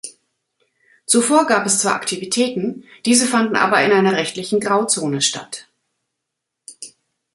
Zuvor gab es zwar Aktivitäten, diese fanden aber in einer rechtlichen Grauzone statt.